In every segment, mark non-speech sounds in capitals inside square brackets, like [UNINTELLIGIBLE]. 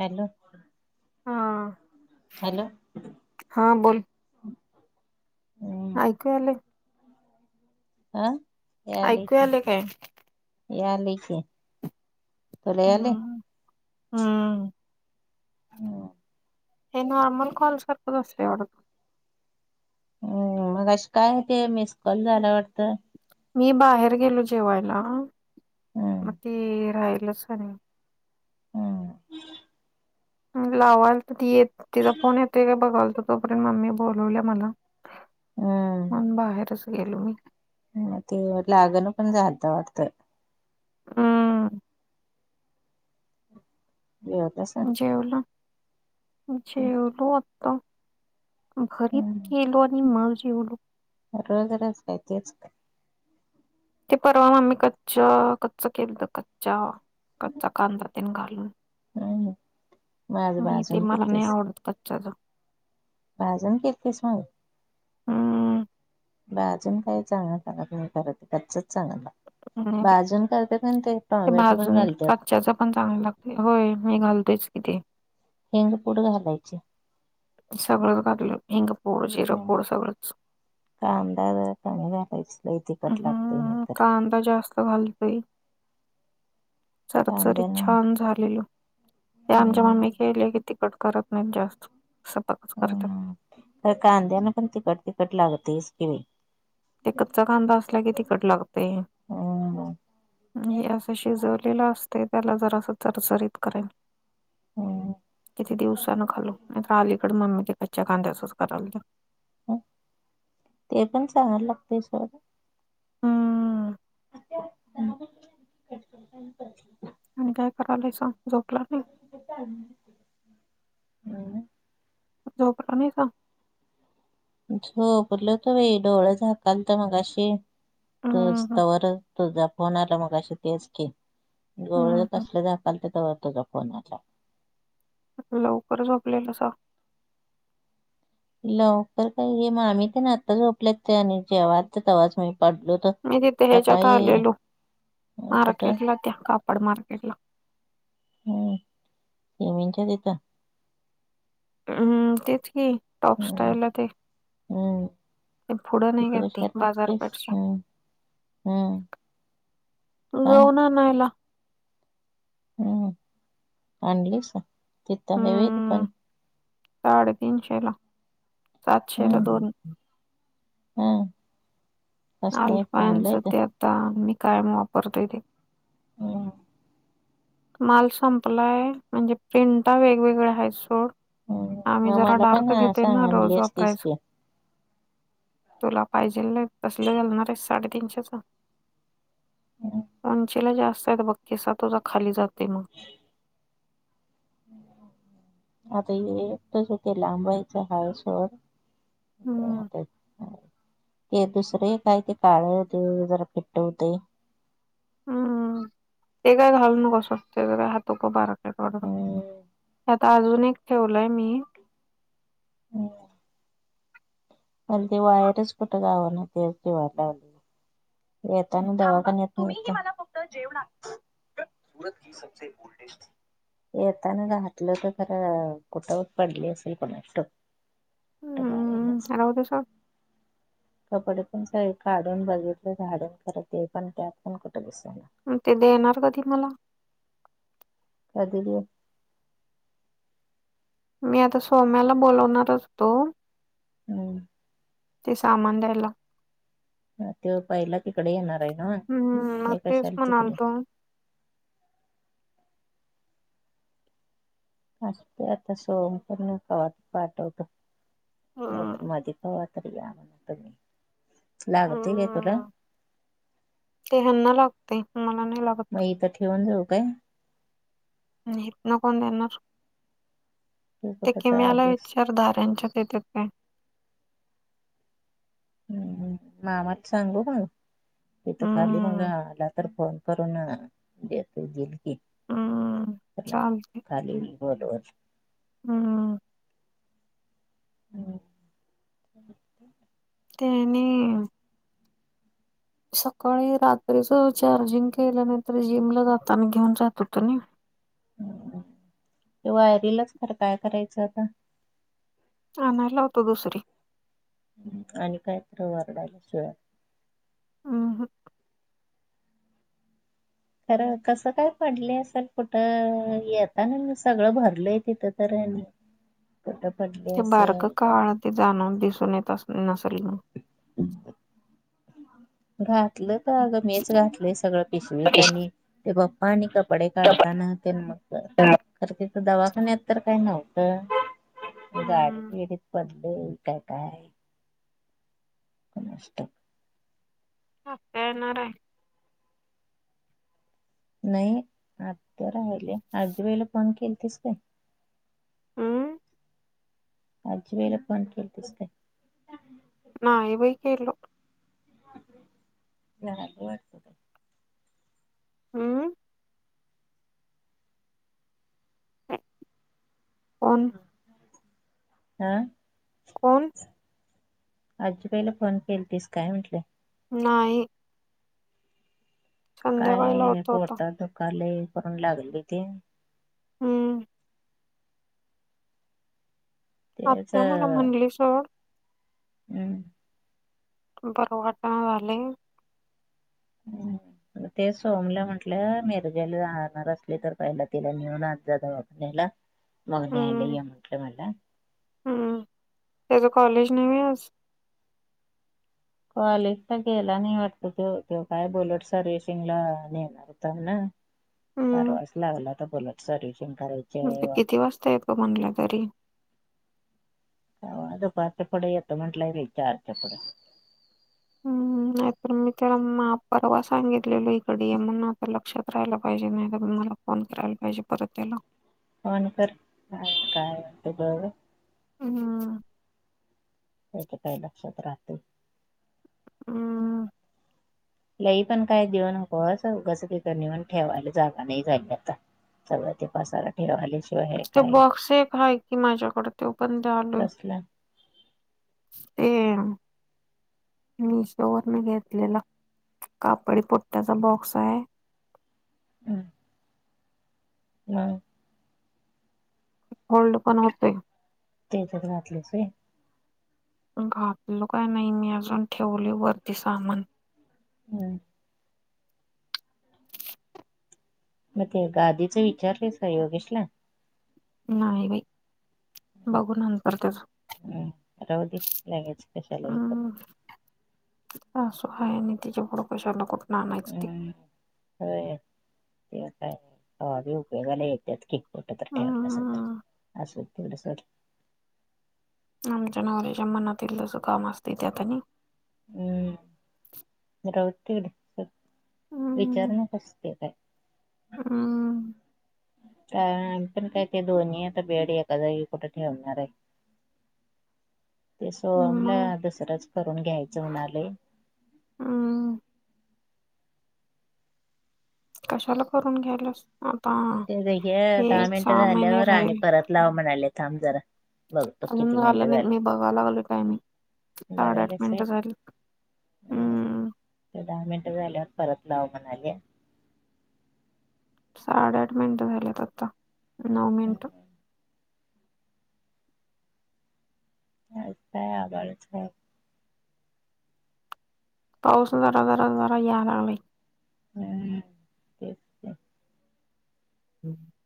Hello हा hello! हा बोल हम्म ऐकू येईल? हा यालय ऐकू की आले काय? यालय की. तुला यालय? हम ह हे नॉर्मल कॉल करतो दुसरी एवढत. हम् मग अ काय आहे ते मिसकॉल झाला वाटतं. मी बाहेर गेलो जेवायला मग हम्म ते राहिलच आणि हम लावाल तर ती येत तिचा फोन येतोय का बघाल त तोपर्यंत मम्मी बोलवल्या मला. हम म्हणून बाहेरच गेलो मी. ह ते लागण पण झालत वाटतं हम ते होतस जेवलो जेवलो आता घरीत गेलो आणि माव जेवलो. रजरच काय तेच का? ते परवा मगमी कच्च कच्च केलं तर कच्चा कच्चा कांदातीने घालून. हम्म माझ मी ते भाजून मला नाही केलतीस आवडत कच्च्याच. [UNINTELLIGIBLE] हम बाजून काही चांगलं सांग करत कच्च चांगल ना आणि बाजून करते पण ते टोमॅटो पण घालते. च पण चांगला लागत होय मी घालतोयच की ते. हिंग पुढ घालायचे. सगळंच घातलं हिंग पूड, जिरं, पूड सगळंच. क का करायच? हम्म कांदा जास्त घालतय सरसरी कांद्याने छान झालेल ते आमच्या मम्मी हम्म खेले की तिकट करत नाहीत जास्त सपाकच करतात. हम्म तर कांद्याना पण तिकट तिकट लागतेच कि- ते कच्चा कांदा असला की तिकट लागते हम्म हे असं शिजवलेलं असते त्याला जरा असं चरचरीत करेल. हम्म किती दिवसानं खालो नाहीत अलीकड मम्मी ते कच्च्या कांद्याचच करायल. ते पण चहाला लागतय सोड हम्म [INAUDIBLE] आणि काय करालास झोपला नाही? [UNINTELLIGIBLE] झोपला नाही का? झोपलंत बाई डोळं झाकालत मगाशी हं, तच हं, तवरच तुझा फोन आला मग अशी तेच की डोळ हं, हं. कसले झाकाल तवर तुझ फोन आला. [UNINTELLIGIBLE] लवकर काही मग आम्ही ते ना आता झोपल्या ते आणि जेव्हाचा तवाच म पडलो मी तिथे ह्याच्यात सकाळी आलेलो कुठं मार्केट ला त्या कापड मार्केट ला हम्म तीमंच्याचेतं हम्म तेच की टॉप हम्म. स्टाईलला ते हम्म ते पुढं नाही का तिथं ते कशा वाटतेच बाजारपेठच्या हम् हम्म हा नाहीला हम् आणलीस तिथ हवे दुकान साडेतीीनशे ला सातशे ला दोन हो. आल्फानच ते आता मी काय वापरतोय ते. ह. माल संपलाय म्हणजे प्रिंट वेगवेगळ्या आहेत सोड. हम् आम्ही मग जरा मला पण डार्क घेतोय ना रोज सांगलेस असतीस वापरायचं की. तुला पाहिजे नाही तसलं घलणार आहे साडे तीनशेच. उंचेला जास्त बकीस तुझा खाली जाते मग. आता हे तस का लांबायचं आहेा सोड. म हम्म. ह. ते दुसरे काय ते काळे ते जरा फिट्ट होते. हम्म ते काय घालू न कसं वात हातोक बारक. हम्म. आता अजून एक ठेवलंय मी. हम्. म्ह ते वायरस कुठे गाव ना ते वाव. येता ना दवाखान्यात फक् जेव. येताना राहातलं तर खरं कुठवत पडली असेल कुणास्तव. गावालाच की. खर सांग. कपडे पण स काढून बघितले झाडून खर ते पण त्यात पण त्यात पण कुठं दिस ना. ते देणार कधी मला. कधी देऊ. मी आता सोम्याला बोलवणारच हो तो. हम्. ते सामान द्यायला. ते पहिला तिकडे येणार आहे ना हम्म मग एक तेच कशाला तिकडे. म्हणालतो असून दे आता सोहमला मध्ये पाठवतो नाहीतर हम्म कधी तर पाठवतो. तरी या म्हण त लागत का तुला. हम्म ते हना लागते मला नाही लागत. मग इथं ठेवून जाऊ काय. नाही न कोण देणार. तू ते कुठं तर किमला आलीस विचार दार्यांच्या देतात का. ह् मामाात सांगू मग तिथ खाली हम्म म्हणला तर फोन. करून दिल की हम्म तुला चालतंय काय तर. हम. हम्. तेनी. सकाळी रात्रीच चार्जिंग केल्या नाहींतर जिमला जाता आणि घेऊन जात होतं ना. ते वायरीलाच खर काय करायचं आता. आणायला होतो दुसरी. आणि काय ओरड आल्यास ग. अ ह. खरं कसं काय पडलं असेल कुठं येताना सगळं भरलय तिथं तर. कुठे पडली ते असेल बारक काय काळ माहिती. ते जाणून दिसून येत अस नसल. हम्. घातलं तर अगं मीच घातलंय सगळं पिशवी त्यांनी ते पप्पा आणि. कपडे काढताना तन मग करते. दवाखान्यात तर काय नव्हतं गाडी हम्म बिडीत पडल काय काय. कुणास ठाऊक. आत्या येणार आहे. नाही आज तर राहिले आज वेळेला फोन केल तस का हम्म आजी बाई का फोन केलतीस काय नाही बाई केलो बराबर हम्म पन हम कोण आजीबाहिला फोन केल तस काय म्हंटलं नाही संध्याकाळी काय लावतो आता पोट दुकालय करून लागली ती हम्म तेच आत्या मला म्हणली सर हम्म बर वाटण झाले हम्म ते सोमला म्हटलं मॅरेजाला जाणार असले तर पहिला तिला नेऊन आज जाला मग नाही हम्म आयलाय म्हटलं मला हम्म त्याच कॉलेज नाहीव आज क्वालेज तर गेला नाही वाटत त ते काय बोललेट सर्व्हसिंग ला नेणार हम्म फारवास लागलाता बोलात सर्शन करायचं े किती वाजता येत ग म्हटलं तरी हो पाच पुढ येतं म्हंटलंय र चारच्या पुढ नाहीत मी त्याला मा परवा सांगितलेलो इकडे म्हणून आता लक्षात राहायला पाहिजे नाही तर त मला फोन करायला पाहिजे परत त्याला फोन कर काय तू बघ हम् त्याच्या काही लक्षात राहते हम् लई पण काय देऊनको असं कसं क करणीऊन ठेवायला जागा नाही झाली आता सगळं तेपासाला ठेवाले ते बॉक्स एक आहे की माझ्याकडे ते पण द आले कसला ते मशो वर मी घेतलेला कापडी पट्ट्याचा बॉक्स आहे हम हम होल्ड पण होते त्याच्यात घातलेच घातलो काय नाही मी अजून ठेवली वरती सामान हम्म मग ते गादीच विचारलेस का योगेशला नाहीयई बघू ना करतेच हम्म राहू दे लगेच कशाला हे करून हम् सासू आहेय आणि तिच्या पुोडं कैशाला कुठून आणायच ते हम्म ते काय हवाबी उपयोगाला य त्यात की फोट तर ठेवालं असेल हम्म. तर अस तेवढ सोड आमच्या नवऱ्याच्या मनातील तसं काम असते त्यातनी हम् रवट तकडे विचारण कसते काय हम. अ पण काय ते दोन्ही आता बेड एका जागी कुठं ठेवणार आहे ते सो मला मग दसरच करून घ्यायचं म्हणाले ह. कशाला करून घ्यायलास. अता. ते दहा मिनिटं झाल्यावर आणि राहील परत लाव म्हणाले थांब जरा बघतो अजून किती मिनिटं झालं नाही झाले मी बघायला लागलो टायमिंग साडेआठ बघायलाच आहे. मिनिटं झाली. हम्म. दहा मिनिटं झाल्यावर परत लाव म्हणाले. साडेआठ मिनिटं झालेत आता नऊ मिनिटं अस काय आभाळच हाय. पाऊस जरा जरा जरा याला लागलाय. हम्. हं [INAUDIBLE]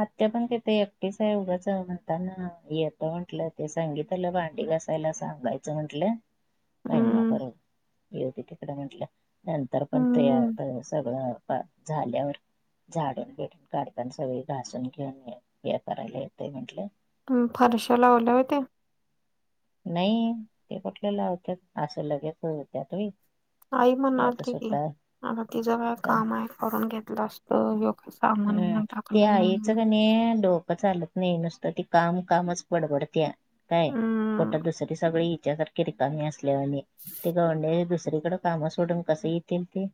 आत्या पण तेिथे एकटीच आहे उगाच म्हणताना येत म्हंटलं ते सांगीत त्याला भांडी घासायला सांगायचं म्हंटलं. महिनाप हम्म, योती त कडे म्हटलं नंतर पण ते हम्म, सगळं. झाल्यावर झाडून तेन काढताना सगळे. राासून घेऊन हे करायला येत म्हंटलं फारशा लावल्या होत्या. नाही ते पटलेलं होत असं लगेच हो त्यातही आई म्हणाल त की आता तिचं काय काम आहे करून घेतलं असत यग हम्म ते आईच क नाही डोकं चालत नाही नुसतं ती काम कामच बडबडत्या काय हम्म, कोठं दुसरी सगळे विचारारख ती रीकामी असल्यावाणी ते गनड्या दुसरीकडे कामं सोडून कसं येतील ते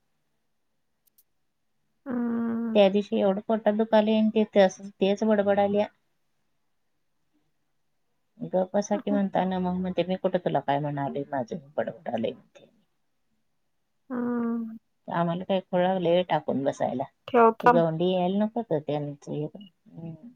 हा. त्या दिवशी एवढं पोटा दुखाले आणि ते तेच बडबड आल्या. गप्पा बसा की हम्म. म्हणता ना मग म्हणजे मी कुठे तुला काय म्हणाले माझं बडवड कराले. हा. आम्हाला काही खूळ लागलंय व्हय टाकून बसायला ठेवता तिकाऊन पत ह् [UNINTELLIGIBLE]